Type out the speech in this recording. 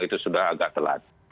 itu sudah agak telat